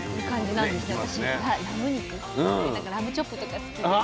なんかラムチョップとか好きです。